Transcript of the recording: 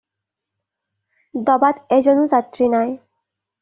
ডবাত এজনো যাত্ৰী নায়।